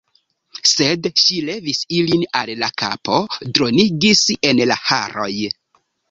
Sed ŝi levis ilin al la kapo, dronigis en la haroj.